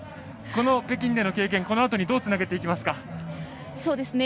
この北京での経験はこのあとにどうつなげていきますか。